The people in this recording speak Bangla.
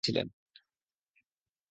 আর সেদিন তারা রোযাও রেখেছিলেন।